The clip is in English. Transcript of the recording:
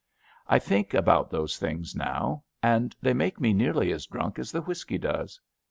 I think about those things now, and they make me nearly as drunk as the whisky does.